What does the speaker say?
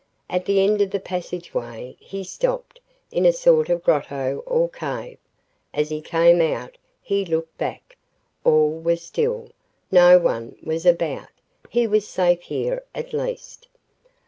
At the end of the passageway, he stopped, in a sort of grotto or cave. As he came out, he looked back. All was still. No one was about. He was safe here, at least!